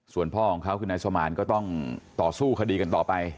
ส่วนพ่อของเขาคือนายสมานก็ต้องต่อสู้คดีกันต่อไป